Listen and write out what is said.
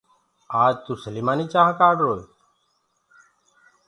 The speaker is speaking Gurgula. آج تو سليمآني چآنه ڪآڙهري هي